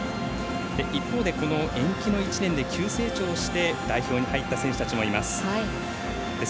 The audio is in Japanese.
一方でこの延期の１年で急成長して代表に入った選手たちもいます。